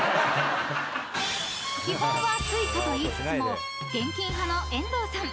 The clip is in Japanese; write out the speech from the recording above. ［基本はＳｕｉｃａと言いつつも現金派の遠藤さん］